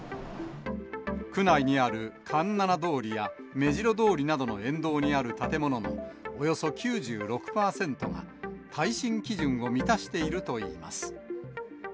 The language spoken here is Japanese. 区内にある環七通りや目白通りなどの沿道にある建物のおよそ９６％が耐震基準を満たしているといいます。